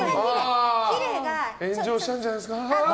炎上しちゃうんじゃないですか。